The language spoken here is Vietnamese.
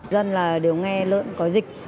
dân là đều nghe lợn có dịch